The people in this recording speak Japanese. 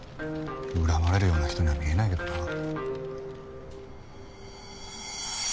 恨まれるような人には見えないけどな。